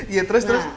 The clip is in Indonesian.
iya terus terus